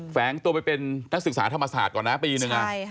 แฝงตัวไปเป็นนักศึกษาธรรมศาสตร์ก่อนนะปีหนึ่ง